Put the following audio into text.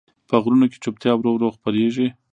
په غرونو کې چوپتیا ورو ورو خپرېږي.